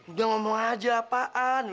udah ngomong aja apaan